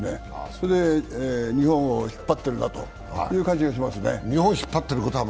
それで日本を引っ張ってるんだという感じがしますね。